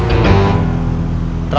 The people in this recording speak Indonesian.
tapi dik dik kayaknya betah